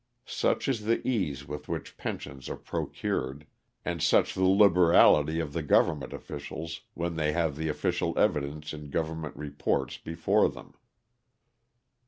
Such is the ease with which pensions are procured, and such the liber ality of the government officials when they have the official evidence in government reports before them.